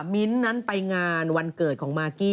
มิ้นท์นั้นไปงานวันเกิดของมากกี้